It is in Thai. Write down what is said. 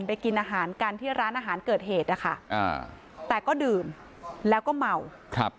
ไปกินอาหารกันที่ร้านอาหารเกิดเหตุนะคะอ่าแต่ก็ดื่มแล้วก็เมาครับ